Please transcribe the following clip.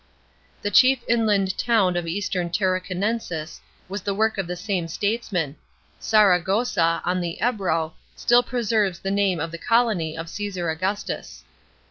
The chief inland town* of eastern Tarraconeiisis was the work of the same statesman ; Saragossa, on the Ebro, still preserves the name of the colony of Csesar Augustus.